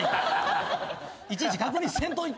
いちいち確認せんといて。